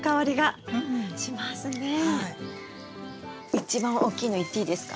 一番大きいのいっていいですか？